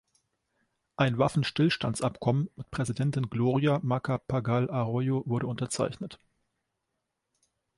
Ein Waffenstillstandsabkommen mit Präsidentin Gloria Macapagal Arroyo wurde unterzeichnet.